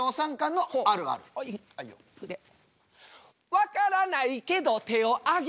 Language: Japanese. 分からないけど手を挙げる。